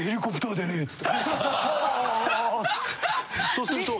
そうすると。